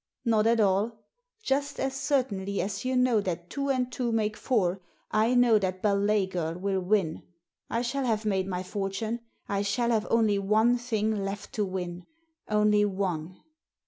" Not at all. Just as certainly as you know that two and two make four, I know that Ballet Girl will win. I shall have made my fortune. I shall have only one thing left to win. Only one